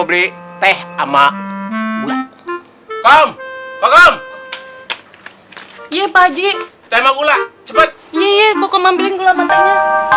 ngaji teh ama ulat kom kom iya pak haji tema ulat cepet iya gue mau ambil gula matanya